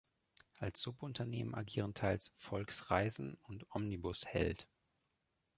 Als Subunternehmen agieren teils "Volk Reisen" und "Omnibus Held".